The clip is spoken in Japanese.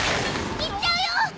行っちゃうよ。